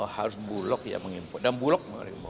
harus bulok yang mengimpor dan bulok